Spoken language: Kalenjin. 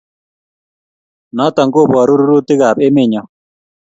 Notok kobooru rurutiikab emenyo.